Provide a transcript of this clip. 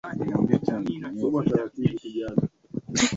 Kudumisha amani hususan kupitia usuluhishi wa migogoro mbalimbali